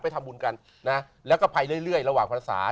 ทำบุญกันนะแล้วก็ไปเรื่อยระหว่างภาษา